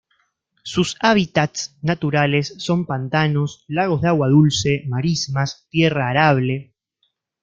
Sus hábitats naturales son pantanos, lagos de agua dulce, marismas, tierra arable.